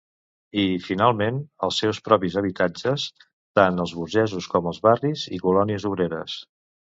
I, finalment, els seus propis habitatges, tant els burgesos com els barris i colònies obreres.